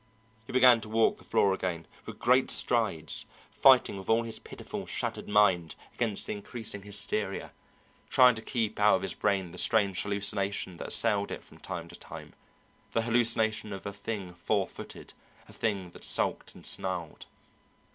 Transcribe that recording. He began to walk the floor again with great strides, fighting with all his pitiful, shattered mind against the increasing hysteria, trying to keep out of his brain the strange hallucination that assailed it from time to time, the hallucination of a thing four footed, a thing that sulked and snarled.